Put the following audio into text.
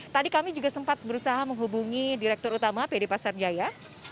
tadi kami juga sempat berusaha menghubungi direktur utama pd pasar jaya